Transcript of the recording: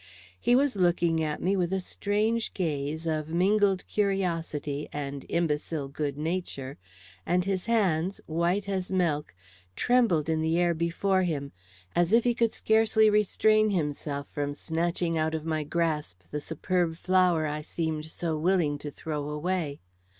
He was looking at me with a strange gaze of mingled curiosity and imbecile good nature, and his hands, white as milk, trembled in the air before him, as if he could scarcely restrain himself from snatching out of my grasp the superb flower I seemed so willing to throw away.